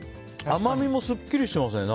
甘みもすっきりしてますよね。